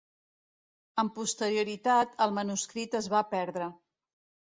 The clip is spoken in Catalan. Amb posterioritat, el manuscrit es va perdre.